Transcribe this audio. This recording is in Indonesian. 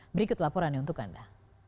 berikut laporannya untuk anda